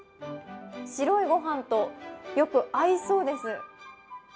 白いごはんと、よく合いそうです。